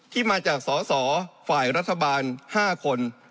ที่มาจากสสฝ่ายรัฐบาล๕คน